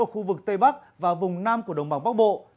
ở khu vực tây bắc và vùng nam của đồng bằng bắc bộ